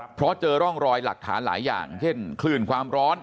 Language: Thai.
เพราะเจอร่องรอยหลักฐานหลายอย่างเช่นคลื่นความร้อน